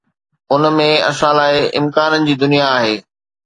ان ۾ اسان لاءِ امڪانن جي دنيا آهي.